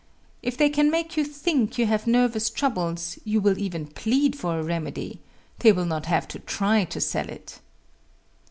If they can make you think you have nervous troubles you will even plead for a remedy they will not have to try to sell it.